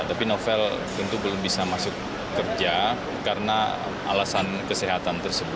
tapi novel tentu belum bisa masuk kerja karena alasan kesehatan tersebut